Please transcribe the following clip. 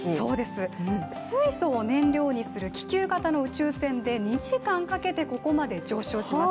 水素を燃料にする気球型の宇宙船で２時間かけてここまで上昇します。